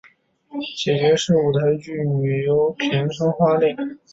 姐姐是舞台剧女优田村花恋。